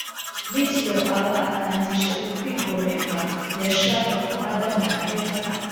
Bityo aba atangije ukwigomeka yashakaga ko adamu na eva